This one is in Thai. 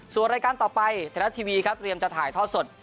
ส่วนรายการต่อไปไทยรัฐทีวีครับเตรียมจะถ่ายทอดสด